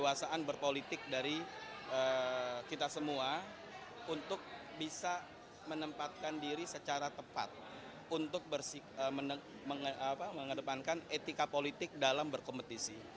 masyarakat sipil dapat mendukung pelaksanaan pemilu salah satunya dengan menangkal penyebaran berita bohong